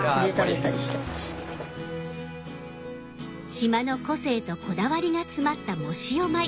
島の個性とこだわりが詰まった藻塩米